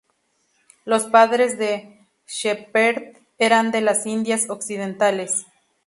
Los padres de Shepherd eran de las Indias occidentales.